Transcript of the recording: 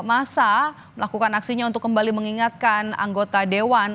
masa melakukan aksinya untuk kembali mengingatkan anggota dewan